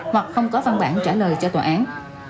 hoặc không có văn bản trả lời cho tòa án